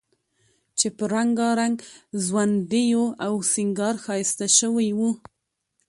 چې په رنګارنګ ځونډیو او سینګار ښایسته شوی و،